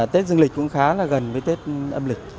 tết dương lịch cũng khá là gần với tết âm lịch